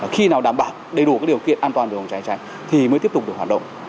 khi nào đảm bảo đầy đủ các điều kiện an toàn về phòng cháy cháy thì mới tiếp tục được hoạt động